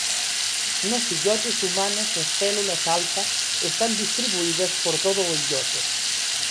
Nos illotes humanos as células alfa están distribuídas por todo o illote.